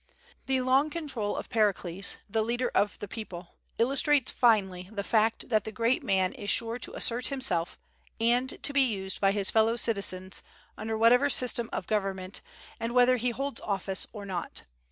The long control of Pericles, "the leader of the people," illustrates finely the fact that the great man is sure to assert himself and to be used by his fellow citizens under whatever system of government, and whether he holds office or not.